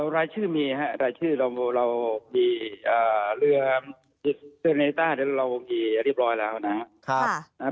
รายชื่อมีครับรายชื่อเรามีเรือเซอร์เนต้าเรามีเรียบร้อยแล้วนะครับ